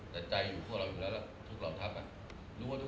ดีใจคิดถึงเท่านั้นแหละคิดถึง